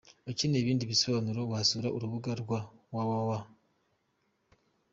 Ukeneye ibindi bisobanuro wasura urubuga rwabo www.